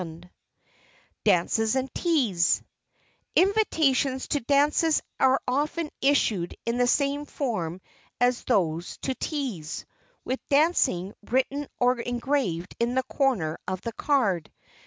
[Sidenote: DANCES AND TEAS] Invitations to dances are often issued in the same form as those to teas, with "Dancing" written or engraved in the corner of the card.